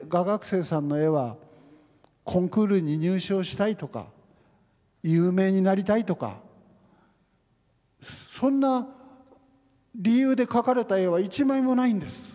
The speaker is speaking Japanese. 生さんの絵はコンクールに入賞したいとか有名になりたいとかそんな理由で描かれた絵は一枚もないんです。